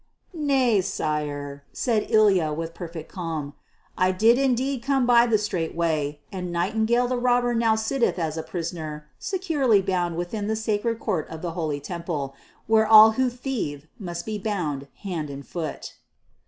"Nay, sire," said Ilya with perfect calm, "I did indeed come by the straight way, and Nightingale the Robber now sitteth as a prisoner securely bound within the sacred court of the holy temple, where all who thieve must be bound hand and foot."